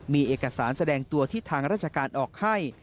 มีเอกสารแสดงตัวที่ทางราชการออกให้